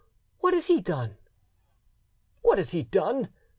What has he done?" "What has he done?